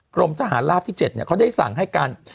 กรมทหารราบที่๗เขาได้สั่งให้การ